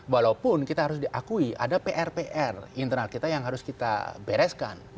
walaupun kita harus diakui ada pr pr internal kita yang harus kita bereskan